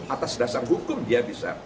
atas dasar hukum dia bisa